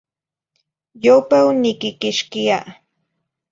Yopeu niquiquixquia